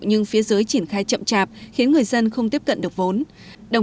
nhưng phía dưới triển khai chậm chạp khiến người dân không tiếp cận được vốn